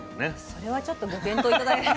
それはちょっとご検討頂いて。